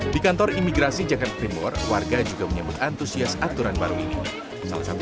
di kantor imigrasi jakarta timur warga juga menyambut antusias aturan baru ini salah satu